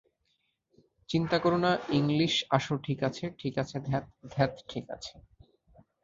চিন্তা করোনা ইংলিশ আসো ঠিক আছে ঠিক আছে ধ্যাত, ধ্যাত ঠিক আছে।